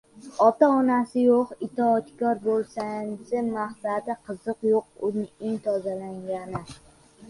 • Ota-onasi yo‘q — itoatkor bolasini maqtaydi, qizi yo‘q — uyining tozaligini.